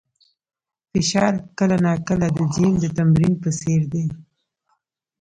فشار کله ناکله د جیم د تمرین په څېر دی.